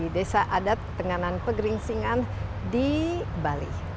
ketenganan pegeringsingan di bali